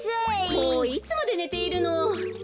もういつまでねているの。